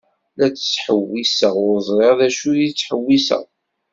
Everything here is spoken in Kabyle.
La ttḥewwiseɣ ur ẓriɣ d acu i ttḥewwiseɣ.